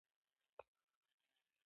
دا د معلوماتو د ساتنې بشپړ تضمین نه کوي.